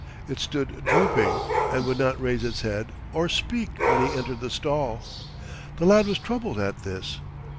It stood drooping and would not raise its head or speak when he entered the stall. The lad was troubled at this.